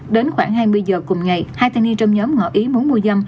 đến khoảng hai mươi giờ cùng ngày hai thanh niên trong nhóm ngỏ ý muốn mua dâm